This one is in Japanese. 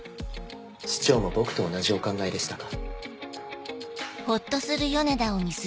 市長も僕と同じお考えでしたか。